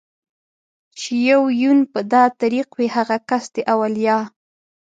چې يې يون په دا طريق وي هغه کس دئ اوليا